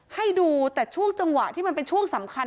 ให้ดูแต่ช่วงจังหวะที่มันเป็นช่วงสำคัญ